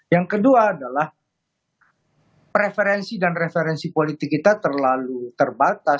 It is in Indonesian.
yang kedua adalah preferensi dan referensi politik kita terlalu terbatas